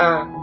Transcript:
chín măng cụt